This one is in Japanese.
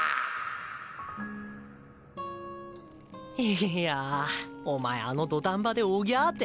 いやお前あの土壇場で「おぎゃあ」て。